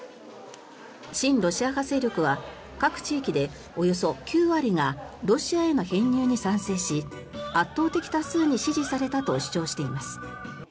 親ロシア派勢力は各地域でおよそ９割がロシアへの編入に賛成し圧倒的多数に支持されたと主張しています。